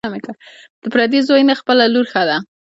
ـ د پردي زوى نه، خپله لور ښه ده.